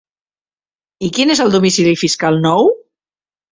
I quin és el domicili fiscal nou?